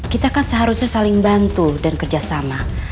kita kan seharusnya saling bantu dan kerjasama